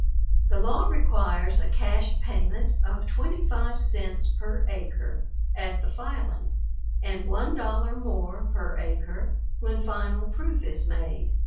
The law requires a cash payment of twenty five cents per acre at the filing, and one dollar more per acre when final proof is made.